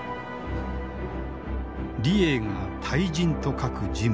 李鋭が大人と書く人物